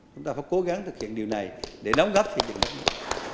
chúng ta phải cố gắng thực hiện điều này để đóng góp phát triển việt nam